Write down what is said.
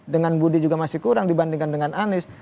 dengan budi juga masih kurang dibandingkan dengan anies